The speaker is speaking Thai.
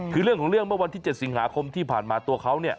คือเรื่องของเรื่องเมื่อวันที่๗สิงหาคมที่ผ่านมาตัวเขาเนี่ย